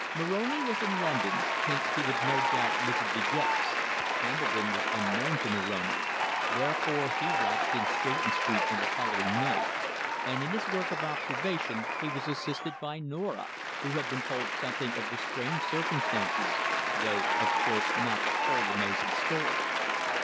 Moroni was in London, hence he would no doubt visit De Gex. Hambledon was unknown to Moroni, therefore he watched in Stretton Street on the following night, and in his work of observation he was assisted by Norah, who had been told something of the strange circumstances, though of course not the whole amazing story.